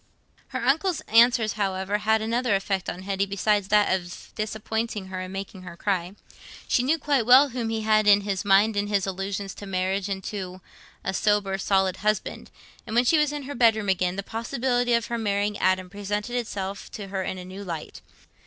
Her uncle's answers, however, had had another effect on Hetty besides that of disappointing her and making her cry. She knew quite well whom he had in his mind in his allusions to marriage, and to a sober, solid husband; and when she was in her bedroom again, the possibility of her marrying Adam presented itself to her in a new light.